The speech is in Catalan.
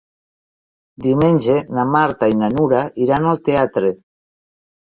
Diumenge na Marta i na Nura iran al teatre.